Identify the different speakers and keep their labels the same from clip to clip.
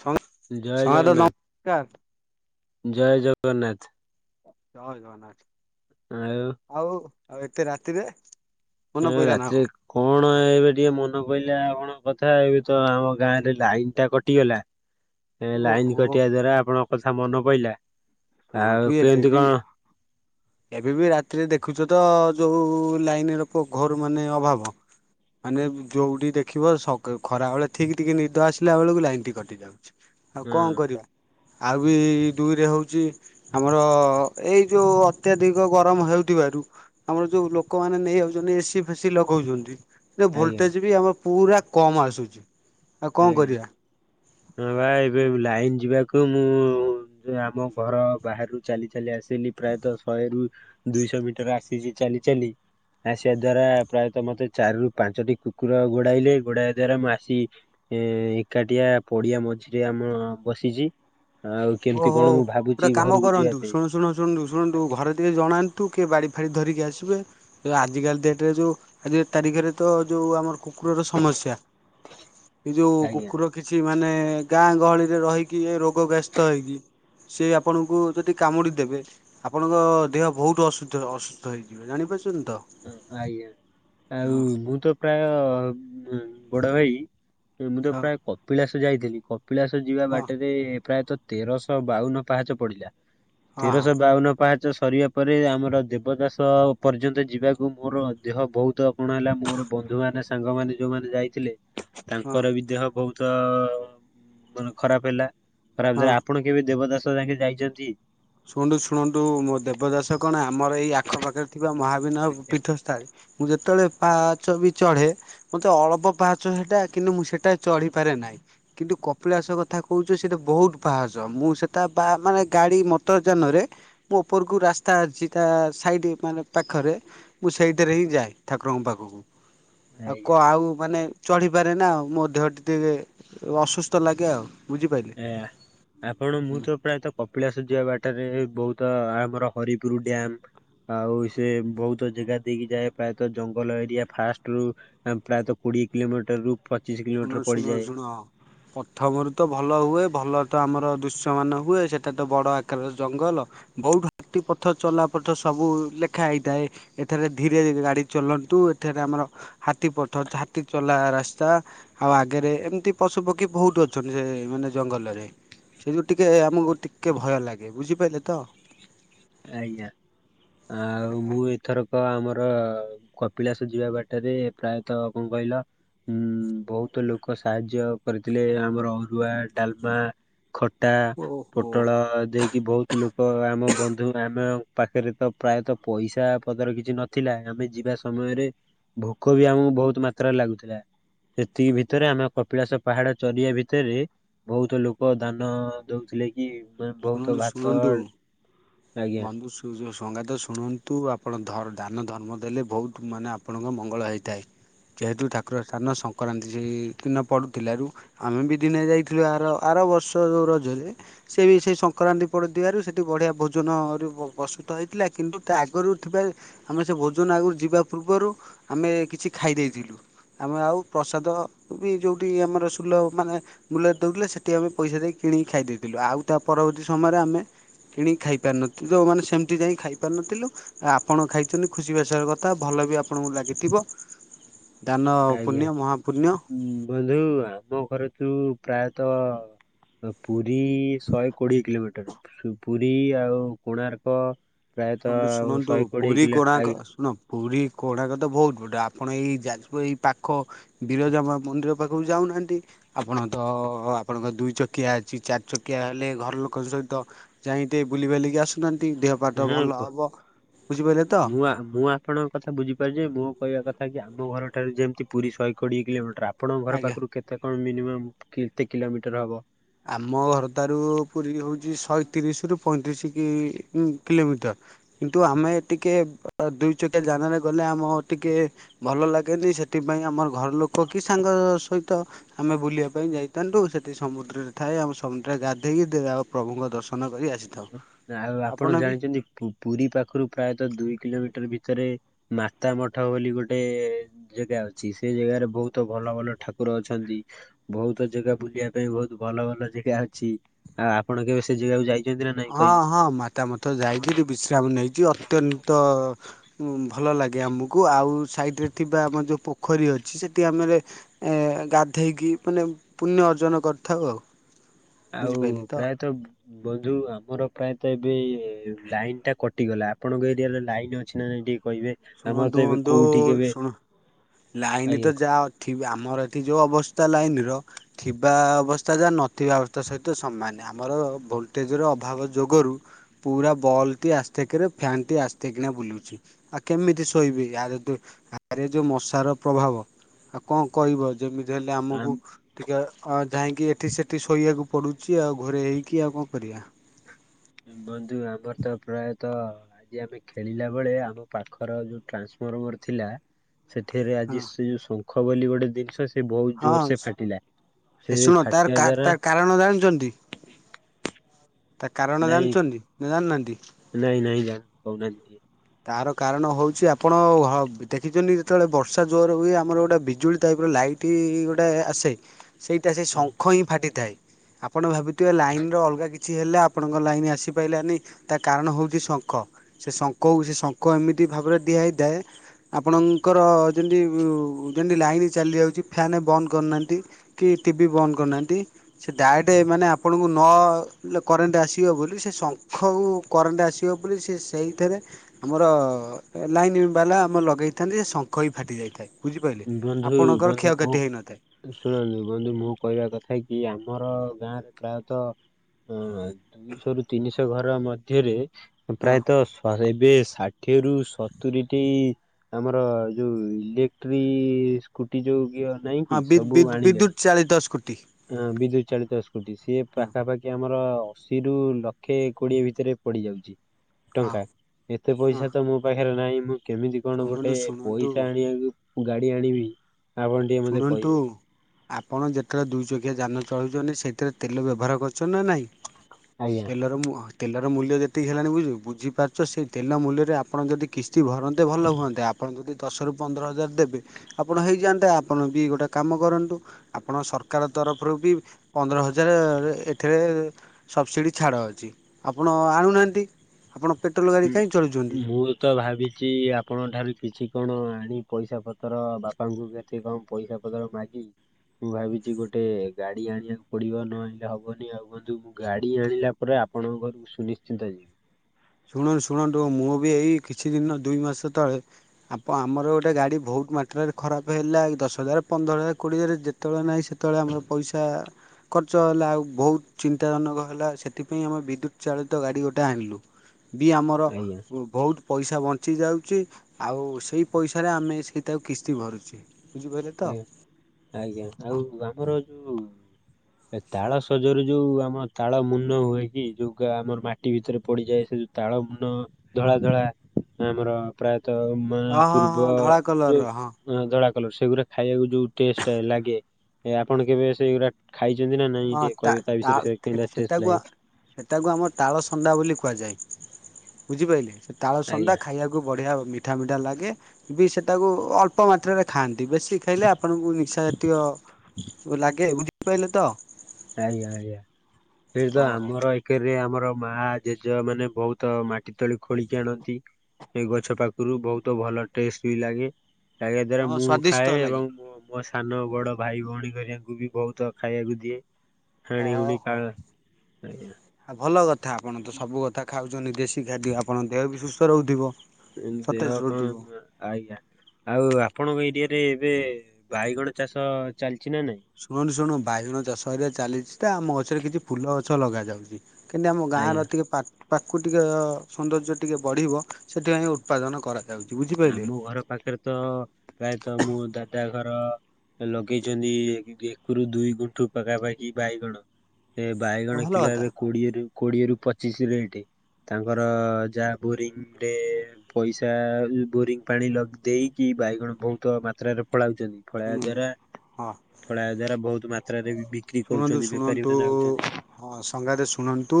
Speaker 1: ଛନ୍
Speaker 2: ଜୟ
Speaker 1: ସଙ୍ଗାତ
Speaker 2: ଜଗନ୍ନାଥ
Speaker 1: ନମସ୍କାର।
Speaker 2: ଜୟ ଜଗନ୍ନାଥ।
Speaker 1: ଜୟ ଜଗନ୍ନାଥ।
Speaker 2: ଆଉ
Speaker 1: ଆଉ ଆଉ ଏତେ ରାତିରେ ମନେ
Speaker 2: ଏବେ
Speaker 1: ପଇଲା ନା
Speaker 2: ରାତିରେ
Speaker 1: କଣ?
Speaker 2: କଣ ଏବେ ଟିକେ ମନ କହିଲା କଣ କଥା ହେବିତ ଆମ ଗାଁରେ ଲାଇନ ଟା କଟିଗଲା ସେ ଲାଇନ୍
Speaker 1: ଓହୋ
Speaker 2: କଟିବା ଦ୍ଵାରା ଆପଣ କଥା ମନ ପଇଲା
Speaker 1: ଶୁଣନ୍ତୁ
Speaker 2: ଆଉ
Speaker 1: ଏବେ
Speaker 2: କେନ୍ତି
Speaker 1: ବି
Speaker 2: କଁ
Speaker 1: ଏବେ ବି ରାତିରେ ଦେଖୁଛ ତ ଯୋଉ ଲାଇନର ପୋ ଘୋର ମାନେ ଅଭାବ ମାନେ ଯୋଉଠି ଦେଖିବ ସକ ଖରାବେଳେ ଠିକ ଟିକେ ନିଦ ଆସିଲା ବୋଳୁକୁ ଲାଇନ ଟି କଟିଯାଉଛି। ଆଉ
Speaker 2: ହଁ
Speaker 1: କଁ କରିବା। ଆଉ ବି ଦୁଇରେ ହୋଉଚି ଆମର ଏଇ ଯୋଉ ଅତ୍ୟଧିକ ଗରମ ହେଉଥିବାରୁ ଆମର ଯେଉଁ ଲୋକମାନେ ନେଇଯାଉଚନ୍ତି ଏସିି ଫେସି ଲଗୋଉଚନ୍ତି। ଏ
Speaker 2: ଆଜ୍ଞା
Speaker 1: ଭୋଲଟେଜ ବି ଆମ ପୁରା କମ ଆସୁଛି। ଆଉ କଣ
Speaker 2: ଆଜ୍ଞା।
Speaker 1: କରିବା
Speaker 2: କୁ ମୁଁ ଯେ ଆମ ଘର ବାହାରୁ ଚାଲି ଚାଲି ଆସିଲି ପ୍ରାୟତଃ ଶହେରୁ ଦୁଇଶହ ମିଟର ଆସିଛି ଚାଲି ଚାଲି। ଆସିବା ଦ୍ଵାରା ପ୍ରାୟତଃ ମତେ ଚାରି ରୁ ପାଞ୍ଚଟି କୁକୁର ଗୋଡାଇଲେ। ଗୋଡାଇବା ଦ୍ଵାରା ମୁଁ ଆସି ଏଁ ଏକାଠିଆ ପଡିଆ ମଝିରେ ଆମ ବସିଚି।
Speaker 1: ଓହୋ ଗୋଟେ କାମ
Speaker 2: ଯିବା
Speaker 1: କରନ୍ତୁ ।
Speaker 2: ପାଇଁ
Speaker 1: ଶୁଣୁ ଶୁଣ ଶୁଣନ୍ତୁ ଶୁଣନ୍ତୁ ଘରେ ଟିକେ ଜଣାନ୍ତୁ। କିଏ ବାଡି ଫାଡି ଧରିକି ଆସିବେ । ଆଜିକାଲି ଡେଟ୍ ରେ ଯୋଉ ଆଜି ତାରିଖରେ ତ ଯୋଉ ଆମର କୁକୁର ର ସମସ୍ୟା।
Speaker 2: [inaudible]
Speaker 1: ଏଇ ଯୋଉ
Speaker 2: ଆଜ୍ଞା।
Speaker 1: କୁକୁର କିଛି ମାନେ ଗାଁ ଗହଳିରେ ରହିକି ଏ ରୋଗ ଗ୍ରସ୍ ସେ ଆପଣଙ୍କୁ ଯଦି କାମୁଡି ଦେବେ । ଆପଣଙ୍କ ଦେହ ବହୁତ ଅସୁଧ୍ୟ ଅସୁଧ ହେଇଯିବେ ଜାଣିପା
Speaker 2: ହଁ ଆଜ୍ଞା ଆଉ
Speaker 1: ହଁ
Speaker 2: ମୁଁ ତ ପ୍ରାୟ ହୁଁ ବଡ ଭାଇ ଉଁ ମୁଁ ତ
Speaker 1: ହଁ
Speaker 2: ପ୍ରାୟ କପିଳାସ ଯାଇଥିଲି କ କପିଳାସ ଯିବା
Speaker 1: ହଁ
Speaker 2: ବାଟରେ ପ୍ରାୟତଃ ତେରଶହ ବାଉନ ପାହାଚ ପଡିଲା।
Speaker 1: ହଁ
Speaker 2: ତେରଶହ ବାଉନ ପାହାଚ ସରିବା ପରେ। ଆମର ଦେବଦାସ ପର୍ଯ୍ୟନ୍ତ ଯିବାକୁ ମୋର ଦେହ ବୋହୁତ କଣ ହେଲା । ମୋର ବନ୍ଧୁମାନେ ସାଙ୍ଗମାନେ ଯେଉଁମାନେ ଯାଇଥିଲେ
Speaker 1: ହଁ
Speaker 2: ତାଙ୍କର ବି ଦେହ ବହୁତ ମାନେ ଖରାପ ହେଲା। ଖରାପ
Speaker 1: ହଁ।
Speaker 2: ଯାଏ ଆପଣ କେବେ ଦେବଦାସ ଯାଙ୍କେ ଯାଇଚନ୍ତି।
Speaker 1: ଶୁଣନ୍ତୁ ଶୁଣନ୍ତୁ, ମୋ ଦେବଦାସ କଣ ଆମର ଏଇ ଆଖପାଖରେ ଥିବା ମହାବିନୟ ପୀଠସ୍ଥାଳ। ମୁଁ ଯେତେବେଳେ ପାଚ ବି ଚଢେ, ମତେ ଅଳ୍ପ ପାହାଚ ହେଟା କିନ୍ତୁ ମୁଁ ସେଟା ଚଢି ପାରେ ନାହିଁ, କିନ୍ତୁ କପିଳାସ କଥା କୋହୁଚ ସେଟା ବୋହୁତ ପାହାଚ ମୁଁ ସେଟା ବା ମାନେ ଗାଡି ମ ଟରଜାନରେ ମୁଁ ଉପରକୁ ରାସ୍ତା ଅଛି । ତା ସାଇଡ ମାନେ ପାଖରେ ମୁଁ ସେଇଥିରେ ହିଁ ତ ଯାଏ ଠାକୁରଙ୍କ ପାଖୁକୁ । ଆଉ କ
Speaker 2: ଆଜ୍ଞା
Speaker 1: ଆଉ ମାନେ ଚଢ଼ିପାରେନା ଆଉ ମୋ ଦେହଟି ଟିକେ ଅସୁସ୍ଥ ଲାଗେ ଆଉ। ବୁଝିପାରିଲେ।
Speaker 2: ଆଜ୍ଞା ଆପଣ ମୁଁ ତ ପ୍ରାୟତଃ କପିଳାସ ଯିବା ବାଟ ତେବେ ବହୁତ ଆମର ହରିପୁର ଡ୍ୟମ୍। ଆଉ ସେ ବହୁତ ଜାଗା ଦେଇକି ଯାଏ ।ପ୍ରାୟତଃ ଜଙ୍ଗଲ ଏରିଆ ଫାଷ୍ଟରୁୁ ପ୍ରାୟତଃ କୋ ଡିଏ କିଲୋମିଟର ରୁ ପଚିଶ କିଲୋମିଟର
Speaker 1: ଶୁଣ ଶୁଣ
Speaker 2: ପଡିଯାଏ
Speaker 1: ଶୁଣ କଥା ମର ତ ଭ ଭଲ ହୁଏ ଭଲ ତ ଆମର ଦୃଶ୍ୟମାନ ହୁଏ ଇସେଟା ତ ବଡ଼ ଆକାର ଜଙ୍ଗଲ ବହୁତୁ ହାତିପ ପଥ ଚଲାପଥ ସବୁ ଲେଖା ହେଇଥାଏ। ଏଠାରେ ଧୀରେ ଧୀରେ ଗାଡ଼ି ଚଲାନ୍ତୁ ଏଠାରେ ଆମର ହାତୀ ପଠ ଅଛି ହାତୀ ଚଲା ରାସ୍ତା। ଆଉ ଆଗରେ ଏମିତି ପଶୁ ପକ୍ଷୀ ବହୁତ ଅଛନ୍ତି, ସେ ମାନେ ଜଙ୍ଗଲରେ। ସେଇଯୋଇ ଟିକେ ଆମକୁ ଟିକେ ଭୟ ଲାଗେ ବୁଝିପାଇଲେ ତ।
Speaker 2: ଆଜ୍ଞା! ଆଉ
Speaker 1: ହଁ।
Speaker 2: ମୁଁ ଏଥରକ। ତ ଆମର କପିଳାସ ଯିବା ବାଟରେ ପ୍ରାୟତଃ କଣ କହିଲ। ହଁ ବହୁତ ଲୋକ ସାହାଯ୍ୟ କରିଥିଲେ। ଆମର ଅରୁଆ ଡାଲମା ଖଟା
Speaker 1: ଓହୋ
Speaker 2: ପୋଟଳ ଦେଇକି ବହୁତ ଲୋକ ଆମ ବନ୍ଧୁ ଆମ ପାଖରେ ତ ପ୍ରାୟତଃ ପଇସା ପଦର କିଛି ନଥିଲା। ଆମେ ଯିବା ସମୟରେ ଭୋକ ବି ଆମକୁ ବହୁତ ମାତ୍ରାରେ ଲାଗୁଥିଲା। ସେତିକି ଭିତରେ ଆମେ କପିଳାସ ପାହାଡ ଚରିଆ ଭିତରେ! ବହୁତ ଲୋକ ଦାନ ଦଉ ଥିଲେ କି ମା ବହୁତ ଭାତ ଆଜ୍ଞା
Speaker 1: ମାବୁସୁ ଦାସ। ସଙ୍ଗାତ ଶୁଣନ୍ତୁ ଆପଣ ଧ ଦାନ ଧର୍ମ ଦେଲେ ବହୁତ ମାନେ ଆପଣଙ୍କ ମଙ୍ଗଳ ହେଇଥାଏ। ଯେହେତୁ ଠାକୁର ସ୍ଥାନ ସଂକ୍ରାନ୍ତି ରେ ଦିନ ପଡ଼ୁଥିଲାରୁ, ଆମେ ବି ଦିନେ ଯାଇଥିଲୁ ଆର ଆର ବର୍ଷ ଯୋଉ ରଜରେ ସେ ବି ସେଇ ସଂକ୍ରାନ୍ତି ପଡୁଥିବାରୁ ସେଠି ବଢିଆ ଭୋ ଭୋଜନ ରୁ ପ୍ରସ୍ତୁତ ହେଇଥିଲା। କିନ୍ତୁ ତା ଆଗରୁ ଥିବା ଆମେ ସେ ଭୋଜନ ଆଗରୁ ଯିବା ପୂର୍ବରୁ ଆମେ କିଛି ଖାଇ ଦେଇଥିଲୁ। ଆମେ ଆଉ ପ୍ରସାଦ ବି ଯେଉଁଠି ଆମର ସୁଲଭ ମାନେ ମୂଲ୍ୟରେ ଦେଉଥିଲେ। ସେଠି ଆମେ ପଇସା ଦେଇକି କିଣିକି ଖାଇଦେଇଥିଲୁ ଆଉ ପରବର୍ତ୍ତୀ ସମୟର ଆମେ କିଣିଲି ଖାଇପାରୁ ନଥିଲଥିଲେ ସେମିତି ଯାଇ ଖାଇପାରୁନଥିଲୁ ଆପଣ ଖାଇଛନ୍ତି ଖୁସି ଭ ଆସିବାର କଥା ଭଲ ବି ଆପଣଙ୍କୁ। ଲାଗ [inaudible] ଲାଗିଥିବ [unintelligible] ଦାନ
Speaker 2: ଆଜ୍ଞା
Speaker 1: ପୁଣ୍ୟ ମହାପୁଣ୍ୟ
Speaker 2: ବନ୍ଧୁ ଆମ ଘର ତୁ ପ୍ରାୟ ତ ପୁରୀ ଶହେ କୋଡିଏ କିଲୋମିଟର । ପୁରୀ ଆଉ କୋଣାର୍କ ।
Speaker 1: ଶୁଣନ୍ତୁ ଶୁଣନ୍ତୁ ପୁରୀ କଣା
Speaker 2: ଆଜ୍ଞା
Speaker 1: ଶୁଣ ପୁରୀ। କୋଣକ ତ ବହୁତ ବଡ଼ ଆପଣ ଏଇ ଯାଜପୁର ଏଇ ପାଖ ବିରଜାମା ମନ୍ଦିର ପାଖକୁ ଯାଉନାହାନ୍ତି ଆପଣ ତ ଆପଣଙ୍କ ଦୁଇ ଚକିଆ ଅଛି ଚାରି ଚକିଆ ହେଲେ ଘର ଲୋକ ଯାଇ ବୁଲି ବଲିକି ଆସୁନାହାନ୍ତି ଦେହ [unintelligible]
Speaker 2: ହୁଁ କୁହ
Speaker 1: ହବ ବୁଝିପାରିଲେ ତ
Speaker 2: ମୁଁ ମୁଁ ଆପଣଙ୍କ କଥା ବୁଝିପାରୁଛି । ଯେ ମୁଁ କହିବା କଥା କି ଆମ ଘର ଠାରୁ ଯେମିତି ପୁରୀ ଶହେ କୋଡିଏ କିଲୋମିଟର ଆପଣଙ୍କ ଘର
Speaker 1: ଆଜ୍ଞା।
Speaker 2: ପାଖରୁ କେତେ ମିନିମ୍ୟାମ କେତେ କିଲୋମିଟର ହବ ।
Speaker 1: ଆମ ଘରଠାରୁ ପୁରୀ ହଉଛି ଶହେତିରିଶ ରରୁ ପଇଁତିରିଶ କିଲୋମିଟର। କିନ୍ତୁ ଆମେ ଟିକେ ଦୁଇ ଚକିଆ ଯାନା ରେ ଗଲେ ଆମ ଟିକେ ଭଲ ଲାଗେନି। ସେଥିପାଇଁ ଆମର ଘର ଲୋକ କି ସାଙ୍ଗ ସହିତ ଆମେ ବୁଲିବା ପାଇଁ ଯାଇଥାନ୍ତୁ ସେଠି ସମୁଦ୍ରରେ। ଥାଏ ଆମ ସବୁା ଗାଧେଇକି ପ୍ରଭୁଙ୍କ ଦର୍ଶନ କରି ଆସି
Speaker 2: ଆଉ ଆପଣ ଜାଣିଛନ୍ତି ପୁରୀ ପାଖରୁ ପ୍ରାୟତଃ ଦୁଇ କିଲୋମିଟର ଭିତରେ ମାତା ମଠ ବୋଲି ଗୋଟେ ଜାଗା ଅଛି ସେ ଜାଗାରେ ବହୁତ ଭଲ ଭଲ ଠାକୁର ଅଛନ୍ତି ବହୁତ ଜାଗା ବୁଲିବା ପାଇଁ ବହୁତ ଭଲ ଭଲ ଜାଗା ଅଛି ଆଉ ଆପଣ କେ ସେ ଜାଗାକୁ ଯାଇ
Speaker 1: ହଁ ହଁ ମାତା ମଥ ଯାଇଛି ଟ ବିଶ୍ରାମ ନେଇଛି ଅତ୍ୟନ୍ତ ଭଲ ଲାଗେ ଆମକୁ ଆଉ ସାଇଡ଼ରେ ଥିବା ଆମର ଯେଉଁ ପୋଖରୀ ଅଛି ସେଇଠି ଆମର ଗାଧେଇକି ମାନେ ପୁଣ୍ୟ ଅର୍ଜନ କରିଥାଉ ଆଉ ।
Speaker 2: ଆଉ ପ୍ରାୟତଃ ବନ୍ଧୁ ଆ ମୋର ପ୍ରାୟତଃ ଏବେ ଲାଇନ ଟା କଟିଗଲା ଆପଣଙ୍କ ଏରିଆରେ ଲାଇନ୍ ଅଛି ନା ନାଇ
Speaker 1: ଶୁଣନ୍ତୁ ଵନ୍ଧୁ ଶୁଣ ଲାଇନ
Speaker 2: ଆଜ୍ଞା
Speaker 1: ତ ଯାହା ଥିବ ଆମ ଆମର ଏଠି ଯେଉଁ ଅବସ୍ଥା ଲାଇନ ର ଥିବା ଅବସ୍ଥା ଯାହା ନଥିବା ଅବସ୍ଥା ସହିତ ସମାନ ଆମର । କ ଭୋଲଟେଜ ର ଅଭାବ ଯୋଗରୁ ପୁରା ବଲ୍ଟି ଆସକ ଫ୍ୟାନ୍ ଟି ଆସିେ କିନା ବୁଲୁ ଆ୍ଛା [unintelligible] କେମିତି ଶୋଇବି ଆ ଆରେ ଯୋଉ ମଶାର ପ୍ରଭାବ ଆଉ କଣ କହିବ ଯେମିତି । ଦେଲେ
Speaker 2: ଆମ
Speaker 1: ଆମକୁ ଟିକେ ଅ ଯାଇକି ଏଠି ସେଠି ଶୋଇବାକୁ ପଡୁଚି ଆଉ ଘୋରି ହେଇକି ଆଉ କଣ କରିବା
Speaker 2: ବନ୍ଧୁ ଆମର ତ ପ୍ରାୟତ ଆଜି ଆମେ ଖେଳିଲା ବେଳେ ଆମ ପାଖର ଯୋଉ ଟ୍ରାନ୍ସ ମରୋବର ଥିଲା ସେଠରେ ଆଜି
Speaker 1: ହଁ
Speaker 2: ସେ ଯୋଉ ଶଙ୍ଖ ବୋଲି ଗୋଟେ ଜିନିଷ ସେ ବହୁତ ଜୋର ସେ
Speaker 1: ହଁ
Speaker 2: ଫାଟିଲା ସେ
Speaker 1: ଶୁଣ ତାର
Speaker 2: ଫାଟିବା ଦ୍ଵାରା
Speaker 1: ତା କାରଣ ଜାଣିଛନ୍ତି ତା କାରଣ
Speaker 2: ନାଇଁ
Speaker 1: ଜାଣିଛନ୍ତି ନା ଜାଣିନାହାନ୍ତି
Speaker 2: ନାଇଁ ନାଇଁ ଜା କହୁନା ଦି
Speaker 1: ତାର କାରଣ ହଉଛି ଆପଣ ଦେଖିଛନ୍ତି ଯେତେବେଳେ ବର୍ଷା ଜୋର ହୁଏ ଆମର ଗୋଟେ ବିଜୁଳି ଟାଇପ ର ଲା ଆଇଟ୍ ଗୋଟେ ଆସେ ସେଇଟା ସେ ଶଙ୍ଖ
Speaker 2: ଟିକେ
Speaker 1: ହିଁ ଫାଟିଥାଏ ଆପଣ ଭାବୁଥିବେ ଲାଇନ ର ଅଲଗା କି କିଛି ହେଲା ଆପଣଙ୍କ ଲାଇନ ଆସିପାରିଲାନି ତା କାରଣ ହେଉଛି ଶଙ୍ଖ ସେ ଶଙ୍ଖ କୋହୁ ସେ ଶଙ୍ଙ୍କ ଏମିତି ଭାବରେ ଦିଆ ହେଇଥାଏ ଆପଣଙ୍କର ଯେମିତି ଯେମିତି ଲାଇନ ଦି ଚାଲିଯାଉଚି ଫ୍ୟାନ କରୁନାହନ୍ତି କି ଟିଭି ବନ୍ଦ କରିନାହାନ୍ତି ସିଏ ଡାଇରେକ୍ଟ ମାନେ ଆପଣ କୁ ନ କରେଣ୍ଟ ଆସିବ ବୋଲି ସେ ଶଙ୍ଖକୁ କରେଣ୍ଟ ଆସିବ ବୋଲି ସେ ସେଇଥିରେ । ଆମର ଲାଇନ ବାଲା ଆମର ଲଗେଇଥାନ୍ତି ଶଙ୍ଖ ହି ଫାଟି ଯାଇଥାଏ ।
Speaker 2: ବନ୍ଧୁ ବନ୍ଧୁ
Speaker 1: ହେଇନଥାଏ
Speaker 2: ଶୁଣନ୍ତୁ ବନ୍ଧୁ ମୁଁ କହିବା କଥା କି କି ଆମର ଗାଁରେ ପ୍ରାୟତଃ ଅ ଦୁଇଶହ ରୁ ତିନିଶହ ଘର ମଧ୍ୟରେ
Speaker 1: ହଁ
Speaker 2: ପ୍ରାୟତଃ ଶହେ ବି ଷାଠିଏ ରୁ ସତୁୁରୀଟି ଆମର ଯୋଉ ଇ ଟ୍ରି ସ୍କୁଟି ଯୋଉ ଗିଅର ନାହିଁ କି
Speaker 1: ହଁ ବି
Speaker 2: ସବୁ
Speaker 1: ବିଦ୍ୟୁତ
Speaker 2: ଆଣିଲେଣି
Speaker 1: ଚାଳିତ ସ୍କୁଟି
Speaker 2: ହ ବିଦ୍ୟୁତ୍ ଚାଳିତ ସ୍କୁଟି ସିଏ
Speaker 1: ହଁ
Speaker 2: ପାଖାପାଖି ଆମର ଅଶିରୁ ଲକ୍ଷେ କୋଡିଏ ଭିତରେ ପଡି ଯାଉଛି
Speaker 1: ହଁ
Speaker 2: ଟଙ୍କା ଏତେ
Speaker 1: ହଁ
Speaker 2: ପଇସା ତ ମୋ ପାଖରେ ପାଖରେ ନାହିଁ ମୁଁ କେମିତି କଣ ଗୋଟେ
Speaker 1: ଶୁଣନ୍ତୁ ଶୁଣନ୍ତୁ
Speaker 2: ପଇସା ଆଣିବାକୁ ଗାଡି ଆଣିବି ଆପଣ ଟିକେ ମତେ
Speaker 1: ଶୁଣନ୍ତୁ
Speaker 2: କହିବେ
Speaker 1: ଆପଣ ଯେତେବେଳେ ଦୁଇ ଚକିଆ ଯାନ ଚଳୁଛନ୍ତି ସେଇଥିରେ ତେଲ ବ୍ୟବହାର କରୁ ଅଛ ନା ନାଇଁ
Speaker 2: ଆଜ୍ଞା।
Speaker 1: ତେଲର ମୁଁ ତେଲର ମୂଲ୍ୟ ଯେତିକି ହେଲାଣି ବୁଝିଲୁ ବୁଝିପାରୁଛ ସେଇ ତେଲ ମୂଲ୍ୟରେ ଆପଣ ଯଦି କିସ୍ତି ଭରନ୍ତେ ଭଲ ହୁଅନ୍ତା ଆ ଆପଣ ଯଦି ଦଶ ର ପନ୍ଦର ହଜାର ଦେବେ ଆପଣ ହେଇଯାଆନ୍ତେ ଆପଣ ବି ଗୋଟେ କାମ କରନ୍ତୁ ଆପଣ ସରକାର ତରଫରୁ ବି ପନ୍ଦର ହଜାର ଏଥିରେ ଏ ସବସିଡି ଛାଡ଼ ଅଛି ଆପଣ ଆଣୁନାହାନ୍ତି ଆପଣ ପେଟ୍ରୋଲ ଗାଡ଼ି କାହିଁ ଚଳୁଛନ୍ତି?
Speaker 2: ହୁଁ ମୁଁ ତ ଭାବିଛି ଆପଣଙ୍କ ଠାରୁ କିଛି କଣ ଆଣି ପଇସା ପତର ବାପାଙ୍କୁ କେତେ କମ ପଇସା ପତର ମାଗି ମୁଁ ଭାବିଛି ଗୋଟେ ଗାଡି ଆଣିବାକୁ ପଡିବ ନହଲେ ହବନି ଆଉ କୁହନ୍ତୁ ମୁ ଗାଡି ଆଣିଲା ପରେ ଆଉ ଆପଣଙ୍କ କୁ ସୁନିଶ୍ଚିନ୍ତ ଯିବି
Speaker 1: ଶୁଣନ୍ତୁ ଶୁଣନ୍ତୁ ମୁଁ ବି ଏଇ କିଛି ଦିନ ଦୁଇ ମାସ ତଳେ ଆପ ଆମର ଗୋଟେ ଗାଡି ବହୁତ ମାତ୍ରା ରେ ଖରାପ ହେଲା ଦଶ ହଜାର ପନ୍ଦର ହଜାର କୋଡ଼ିଏ ହଜାର ଯେତେବେଳେ ନାହିଁ ସେତେବେଳେ ଆମର ପଇସା ଖର୍ଚ୍ଚ ହେଲା ଆଉ ବହୁତ ଚିନ୍ତାଜନକ ହେଲା ସେଥିପାଇଁ ଆମେ ବିଦ୍ୟୁତ ଚାଳିତ ଗାଡି ଗୋଟେ ଆଣିଲୁ । ବି ଆମର
Speaker 2: ଆଜ୍ଞା
Speaker 1: ବହୁତ ପଇସା ବନ୍ ଚି ଯାଉଛି ଆଉ ସେଇ ପଇସାରେ ଆମେ ସେଇଟାକୁ କିସ୍ତି ଭରୁଛି ।
Speaker 2: ଆଜ୍ଞା ଆଜ୍ଞା ଆଉ
Speaker 1: ହଁ
Speaker 2: ଆମର ଯଉ ଏ ତାଳ ସଜରେ ଯୋଉ ଆମର ତାଳ ମୁନ ହୁଏ କି ଯୋଉା ଆମର ମାଟି ଭିତରେ ପଡିଯାଏ ସେ ଯୋଉ ତାଳ ଧଳ ମୁନ ଧଳା ଧଳା ଆମର ପ୍ରାୟ ତ ମାନେ
Speaker 1: ହଁ
Speaker 2: ପୂର୍ବ
Speaker 1: ହଁ ଧଳା
Speaker 2: ଯଉ
Speaker 1: କଲରର ହଁ
Speaker 2: ଜଳା କଲର ସେଗୁଡା ଖାଇବାକୁ ଯୋଉ ଟେଷ୍ଟ ଲାଗେ ଆପଣ କେବେ ସେଉ ରା । ଖାଇଛନ୍ତି ନା ନାଇଁ ଟିକେ କହିବେ ତା ବିଷୟରେ ସେ କେମିତି ଟେଷ୍ଟ
Speaker 1: ସେଟାକୁ
Speaker 2: ଲାଗେ ।
Speaker 1: ସେଟାକୁ ଆମର ତାଳସନ୍ଦା ବୋଲି କୁହାଯାଏ । ବୁଝିପାରିଲେ, ସେ ତାଳସନ୍ଦା
Speaker 2: ଆଜ୍ଞା
Speaker 1: ଖାଇବାକୁ ବଢିଆ ମି ମିଠା ମିଠା ଲାଗେ ବି ସେଟାକୁ ଅଳ୍ପ ମାତ୍ରାରେ ଖାଆନ୍ତି, ବେଶୀ ଖାଇଲେ ଆପଣଙ୍କୁ ନିିଶା ଜାତୀୟ ଲାଗେ ବୁଝିପାରିଲେ ତ
Speaker 2: ଆଜ୍ଞା, ଆଜ୍ଞା, ସେଇ ତ
Speaker 1: ଓହୋ।
Speaker 2: ଆମର ଏକ ରେ ଆମର ମା ଜେଜେ ମାନେ ବହୁତ ମାଟି ତୋଳି ଖୋଳିକି ଆଣନ୍ତି। ଏଇ ଗଛ ପାଖରୁ ବହୁତ ଭଲ ଟେଷ୍ଟ ବି ଲାଗେ । ତା ଦାର
Speaker 1: ହଁ
Speaker 2: ମୁଁ
Speaker 1: ସ୍ଵାଦିଷ୍ଟ
Speaker 2: ଖାଏ
Speaker 1: ଲାଗେ।
Speaker 2: ଏବଂ ମା ସାନ ବଡ ଭାଇ ଭଉଣୀ କରିବାଙ୍କୁ ବି ବହୁତ ଖାଇବାକୁ ଦିଏ । ହାଡି ହୁଡି
Speaker 1: ଓହୋ।
Speaker 2: କାଳ ଆଜ୍ଞା [unintelligible]
Speaker 1: ତଥା ଆପଣ ତ ସବୁ କଥା ଖାଉଛନ୍ତି ଦେଶୀ ଖାଦ୍ୟ, ଆପଣଙ୍କ ଦେହ ବି ସୁସ୍ଥ ରହୁଥିବ ।
Speaker 2: ଦେହ କଣ, ଆଜ୍ଞା ଆଉ ଆପଣଙ୍କ ଏରିଆରେ ଏବେ ବାଇଗଣ ଚାଷ ଚାଲିଛି ।
Speaker 1: ଶୁଣୁନୁ ଶୁଣୁ, ବାଇଗଣ ଚାଷ ଏରିଆ ଚାଲିଛି ତ ଆମ ଗଛରେ କିଛି ଫୁଲ ଗଛ ଲଗା ଯାଉଛି। କିନ୍ତୁ ଆମ
Speaker 2: ଆଜ୍ଞା
Speaker 1: ଗାଁର ଅତିକେ ପକ୍ ପାଖକୁ ଟିକେ ସୌନ୍ଦର୍ଯ୍ୟ ଟିକିଏ ବଢ଼ିବ ସେଥିପାଇଁ ଉତ୍ପାଦନ କରା
Speaker 2: ଆମ ଘର ପାଖରେ ତ ପ୍ରାୟତଃ ମୁଁ ଦାଦା ଘର ଲଗେଇଛନ୍ତି, ଏକରୁ ଦୁଇ ଗୁଣ୍ଠୁ ପାଖାପାଖି ବାଇଗଣ । ଏ
Speaker 1: ଆଉ
Speaker 2: ବାଇଗଣ
Speaker 1: ଭଲ
Speaker 2: କିଲୋ
Speaker 1: କଥା
Speaker 2: ଏବେ କୋଡିଏରୁ, କୋଡିଏରୁ ପଚିଶ ରେଟ ତାଙ୍କର ଯାହା ବୋରିଙ୍ଗ ରେ ପଇସା ବୋରିଂ ପାଣି ଲଗ ଦେଇକି, ବାଇଗଣ ବହୁତ ମାତ୍ରାରେ ଫଳାଉଛନ୍ତି, ଫଳାଇବା
Speaker 1: ଶୁଣନ୍ତୁ
Speaker 2: ଦ୍ୱାରା
Speaker 1: ହଁ
Speaker 2: ଫଳାଇବା ଦ୍ୱାରା ବହୁତ ମାତ୍ରାରେ ବି ବିକ୍ରି
Speaker 1: ଶୁଣନ୍ତୁ,
Speaker 2: କରୁଛନ୍ତି ବେପାରୀ
Speaker 1: ଶୁଣନ୍ତୁ,
Speaker 2: ମାନେ ଆଉଛନ୍ତି
Speaker 1: ହଁ ସଙ୍ଗାତେ ଶୁଣନ୍ତୁ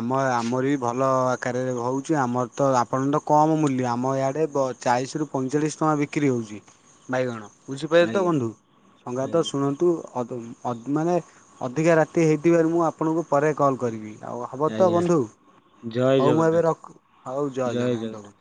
Speaker 1: ଆମ ଆମର ବି ଭଲ ଆକାରରେ ହଉଛି, ଆମର ତ ଆପଣ ତ କମ ମୂଲ୍ୟ, ଆମ ଆଡ଼େ ଚାଳିଶ ରୁ ପ ପଇଁଚାଳିଶ ଟଙ୍କା ବିକ୍ରି ହେଉଛି । ବାଇଗଣ! ବୁଝିପାଇଲେ ତ
Speaker 2: ଆଜ୍ଞା।
Speaker 1: ବନ୍ଧୁ? ସଙ୍ଗାତ
Speaker 2: ଆଜ୍ଞା
Speaker 1: ଶୁଣନ୍ତୁ ଅଦମ୍ ଅ ମାନେ ଅଧିକା ରାତି ହେଇଥିବାରୁ, ମୁଁ ଆପଣଙ୍କୁ ପରେ କଲ୍ କରିବି। ଆଉ ହବ ତ
Speaker 2: ଆଜ୍ଞା
Speaker 1: ବନ୍ଧୁ?
Speaker 2: ଜୟ
Speaker 1: ହଉ ମୁଁ ଏବେ
Speaker 2: ଜଗନ୍ନାଥ
Speaker 1: ରଖ ହଉ ଜୟ [unintelligible]